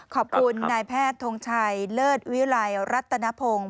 ขอบคุณนายแพทย์ทงชัยเลิศวิลัยรัตนพงศ์